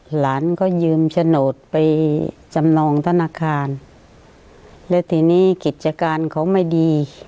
หลานก็ยืมโฉนดไปจำนองธนาคารและทีนี้กิจการเขาไม่ดี